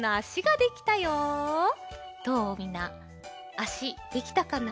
あしできたかな？